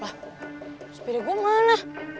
wah sepeda gue mana